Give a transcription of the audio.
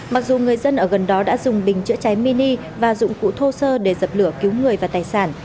mặc dù người dân ở gần đó đã dùng bình chữa cháy mini và dụng cụ thô sơ để dập lửa cứu người và tài sản